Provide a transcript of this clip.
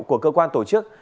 của cơ quan tổ chức